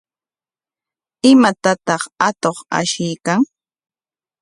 ¿Imatataq atuq ashiykan?